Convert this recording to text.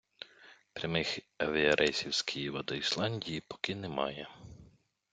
Прямих авіарейсів з Києва до Ісландії поки немає.